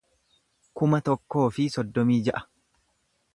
kuma tokkoo fi soddomii ja'a